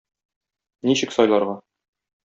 Ничек сайларга?